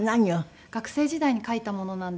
学生時代に書いたものなんですけど。